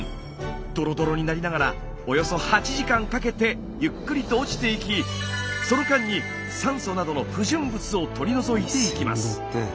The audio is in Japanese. どろどろになりながらおよそ８時間かけてゆっくりと落ちていきその間に酸素などの不純物を取り除いていきます。